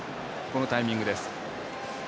このタイミングです。